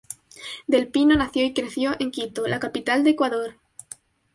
Del Pino nació y creció en Quito, la capital de Ecuador.